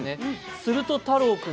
するとたろうくん、